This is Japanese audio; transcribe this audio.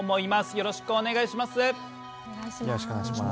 よろしくお願いします。